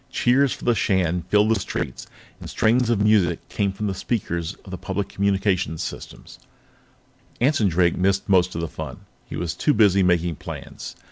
Cheers for the Shan filled the streets, and strains of music came from the speakers of the public communications system. Anson Drake missed most of the fun; he was too busy making plans.